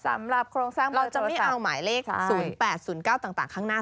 สำหรับโครงสร้างเบอร์โทรศัพท์เราจะไม่เอาหมายเลข๐๘๐๙ต่างข้างหน้า